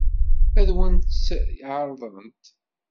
Ad wen-tt-ɛeṛḍent?